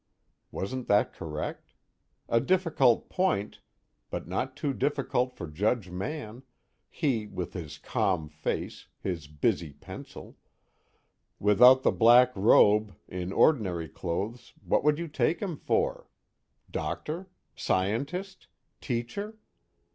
_ Wasn't that correct? A difficult point, but not too difficult for Judge Mann he with his calm face, his busy pencil: without the black robe, in ordinary clothes, what would you take him for? Doctor? Scientist? Teacher?